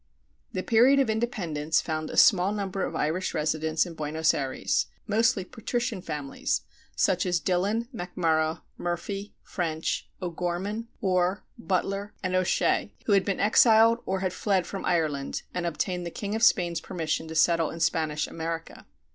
The period of independence found a small number of Irish residents in Buenos Ayres, mostly patrician families, such as Dillon, MacMurrough, Murphy, French, O'Gorman, Orr, Butler, O'Shee, who had been exiled or had fled from Ireland and obtained the king of Spain's permission to settle in Spanish America.